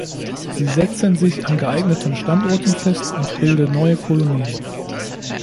Sie setzen sich an geeigneten Standorten fest und bilden neue Kolonien.